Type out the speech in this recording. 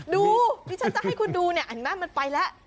ดูนี่ฉันจะให้คุณดูเนี่ยอันนี้มันไปแล้ว